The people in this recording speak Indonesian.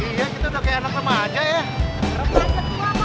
iya kita udah kayak anak anak aja ya